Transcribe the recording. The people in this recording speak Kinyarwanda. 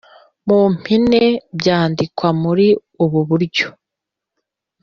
mu mpine byandikwa muri ubu buryo